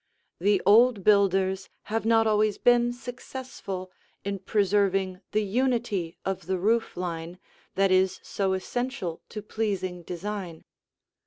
The old builders have not always been successful in preserving the unity of the roof line that is so essential to pleasing design.